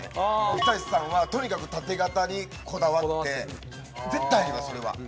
日立さんはとにかくタテ型にこだわって絶対入りますそれは。